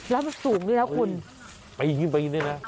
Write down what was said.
แล้วมันสูงด้วยนะคุณปีนขึ้นไปด้วยนะ